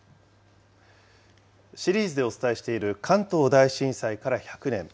シリーズでお伝えしている、関東大震災から１００年。